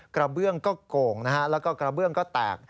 กระเบื้องก็โก่งนะฮะแล้วก็กระเบื้องก็แตก